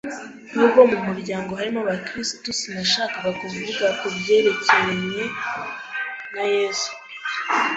nubwo mu muryango harimo abakirisitu sinashakaga kuvuga ku byerekerenye na Yesu